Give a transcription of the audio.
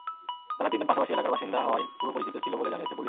তারা তিনজন পাশাপাশি এলাকার বাসিন্দা হওয়ায় পূর্বপরিচিত ছিল বলে জানিয়েছে পুলিশ।